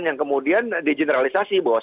yang kemudian dijeneralisasi bahwa